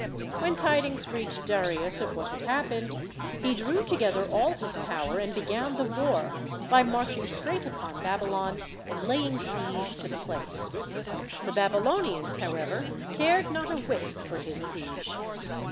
When tidings reached Darius of what had happened, he drew together all his power and began the war by marching straight upon Babylon and laying siege to the place. The Babylonians, however, cared not a whit for his siege.